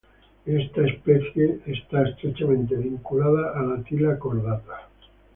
Esta especie es estrechamente vinculada a la tila cordata.